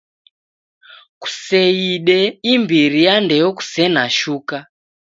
Kuseide imbiri ya ndeo kusene shuka.